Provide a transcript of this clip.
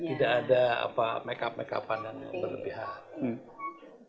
tidak ada apa make up make up an yang berlebihan